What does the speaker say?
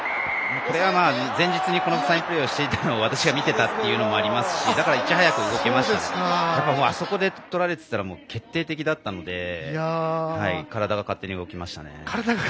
前日にこのサインプレーをしていたのを私が見てたというのもありますしだから、いち早く動けましたしあそこで、とられていたら決定的だったので体が勝手に動きました。